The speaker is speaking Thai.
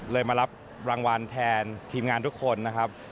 มารับรางวัลแทนทีมงานทุกคนนะครับ